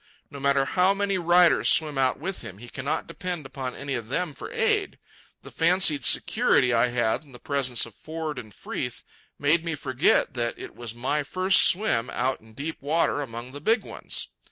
No matter how many riders swim out with him, he cannot depend upon any of them for aid. The fancied security I had in the presence of Ford and Freeth made me forget that it was my first swim out in deep water among the big ones.